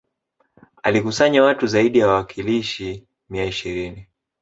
Alikusanya watu zaidi ya wawakilishi mia ishirini